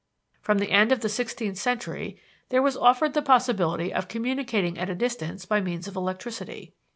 From the end of the sixteenth century there was offered the possibility of communicating at a distance by means of electricity.